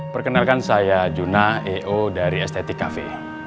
perkenalkan saya juna eo dari estetik cafe